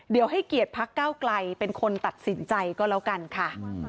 เดี๋ยวให้เกียรติพักเก้าไกลเป็นคนตัดสินใจก็แล้วกันค่ะ